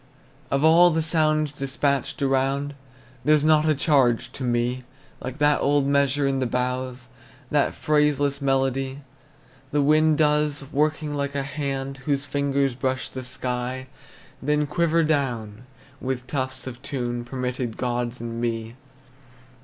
Of all the sounds despatched abroad, There's not a charge to me Like that old measure in the boughs, That phraseless melody The wind does, working like a hand Whose fingers brush the sky, Then quiver down, with tufts of tune Permitted gods and me.